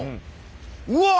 うわっ！